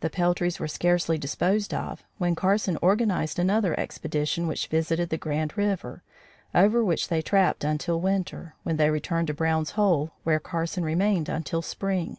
The peltries were scarcely disposed of, when Carson organized another expedition which visited the Grand River, over which they trapped until winter, when they returned to Brown's Hole, where Carson remained until spring.